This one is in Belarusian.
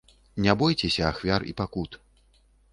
Не бойцеся ахвяр і пакут!